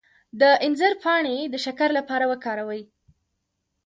د انځر پاڼې د شکر لپاره وکاروئ